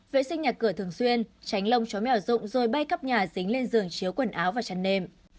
vệ sinh nhà cửa thường xuyên tránh lông chó mèo dụng rồi bay cắp nhà dính lên giường chiếu quần áo và chăn nêm